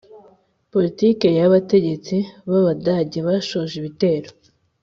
poritiki ya Kandt Abategetsi b Abadage bashoje ibitero